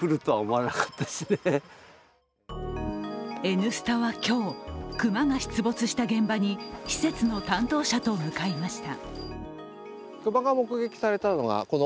「Ｎスタ」は今日、熊が出没した現場に施設の担当者と向かいました。